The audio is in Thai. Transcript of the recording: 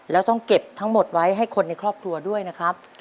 แล้วต้องเก็บทั้งหมดไว้ให้คนในครอบครัวด้วยนะครับ